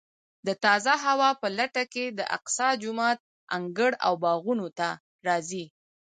د تازه هوا په لټه کې د اقصی جومات انګړ او باغونو ته راځي.